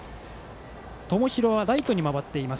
友廣はライトに回っています。